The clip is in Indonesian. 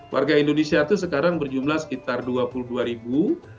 warga indonesia itu sekarang berjumlah sekitar dua puluh dua ribu